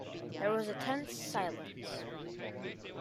There was a tense silence.